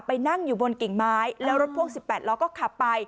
นั่งอยู่บนกิ่งไม้แล้วรถพ่วง๑๘ล้อก็ขับไป